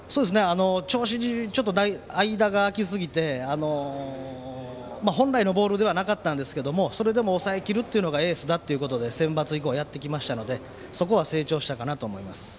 調子、間が空きすぎて本来のボールではなかったんですけどそれでも抑えきるのがエースだということでセンバツ以降やってきましたのでそこは成長したと思います。